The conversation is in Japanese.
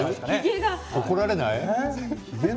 怒られない？